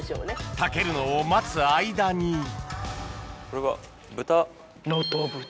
炊けるのを待つ間にこれは豚？